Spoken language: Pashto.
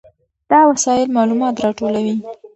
دا وسایل معلومات راټولوي.